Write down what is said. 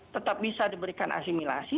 tetap bisa diberikan asimilasi